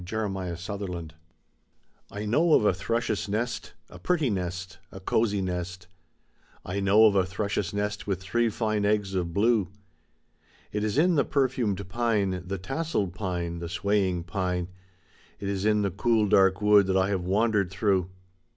THE SAD YEARS THE SECRET I KNOW of a thrush's nest, a pretty nest, a cosy nest, I know of a thrush's nest with three fine eggs of blue; It is in the perfumed pine, the tasselled pine, the sway ing pine. It is in the cool dark wood that I have wandered through.